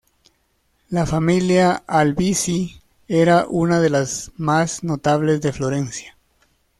La familia Albizzi era una de las más notables de Florencia.